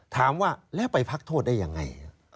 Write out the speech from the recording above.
ถามว่าแล้วไปพักโทษได้ยังไง